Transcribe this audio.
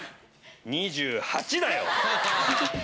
２８だよ！